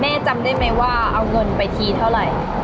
จำได้ไหมว่าเอาเงินไปทีเท่าไหร่